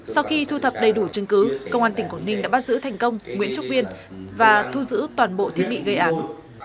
sau khi thu thập đầy đủ chứng cứ công an tỉnh quảng ninh đã bắt giữ thành công nguyễn trúc viên và thu giữ toàn bộ thiết bị gây án